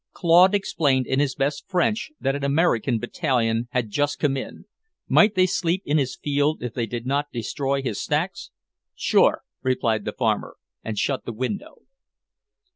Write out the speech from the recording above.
Claude explained in his best French that an American battalion had just come in; might they sleep in his field if they did not destroy his stacks? "Sure," replied the farmer, and shut the window.